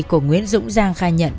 của nguyễn dũng giang khai nhận